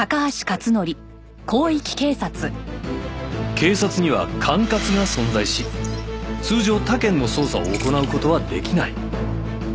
警察には管轄が存在し通常他県の捜査を行う事はできない